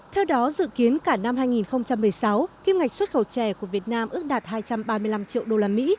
theo đó dự kiến cả năm hai nghìn một mươi sáu kim ngạch xuất khẩu chè của việt nam ước đạt hai trăm ba mươi năm triệu usd